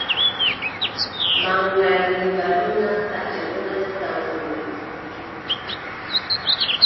Maŋgariiba ɗon nasta, ɓe ɗon nasta wuro.